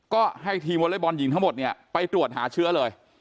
ก็ให้ทีมวลบอลยิงทั้งหมดไปตรวจหาเชื้อเลย